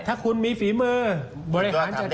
ถ้าคุณมีฝีมือบริหารจัดการ